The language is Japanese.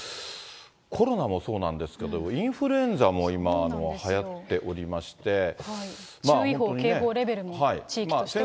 コロナもそうなんですけれども、インフルエンザも今、注意報、警報レベルの地域としてはあると。